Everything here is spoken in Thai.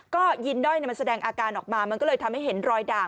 ก็ยินด้อยมันแสดงอาการออกมามันก็เลยทำให้เห็นรอยด่าง